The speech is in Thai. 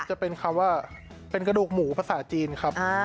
จะเป็นคำว่าเป็นกระดูกหมูภาษาจีนครับ